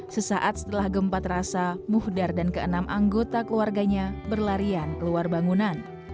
sesaat setelah gempa terasa muhdar dan keenam anggota keluarganya berlarian keluar bangunan